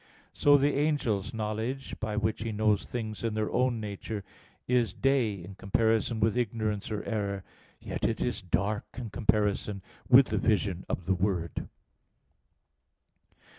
So the angel's knowledge by which he knows things in their own nature, is day in comparison with ignorance or error; yet it is dark in comparison with the vision of the Word.